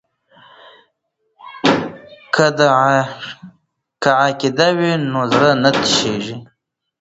که عقیده وي نو زړه نه تشیږي.